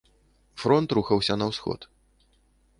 Фронт рухаўся на ўсход.